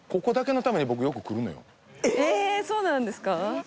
そうなんですか？